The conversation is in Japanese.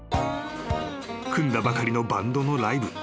［組んだばかりのバンドのライブ］